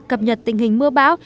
cập nhật tình hình mưa bão